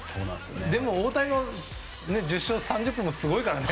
でも大谷も１０勝３０本もすごいからね。